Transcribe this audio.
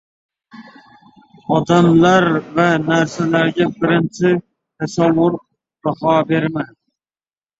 • Odamlar va narsalarga birinchi taassurotdan baho berma.